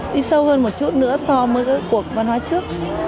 đi sâu hơn một chút nữa so với các cuộc văn hóa trước